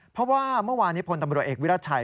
เพราะว่าเมื่อวานนี้พลตำรวจเอกวิรัชชัย